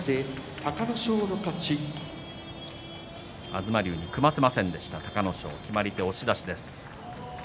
東龍に組ませませんでした隆の勝決まり手は押し出しです。